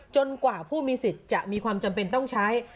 กว่าผู้มีสิทธิ์จะมีความจำเป็นต้องใช้